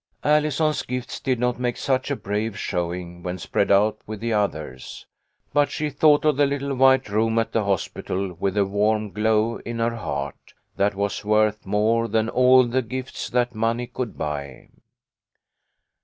Allison's gifts did not make such a brave showing when spread out with the others, but she thought of the little white room at the hospital with a warm 224 TUB LITTLE COLONEL'S HOLIDAYS. glow in her heart that was worth more than all the gifts that money could buy.